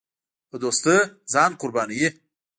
په دوستۍ ځان قربانوي.